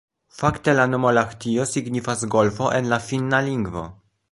Fakte la nomo Lahtio signifas golfo en la finna lingvo.